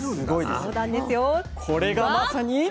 これがまさに。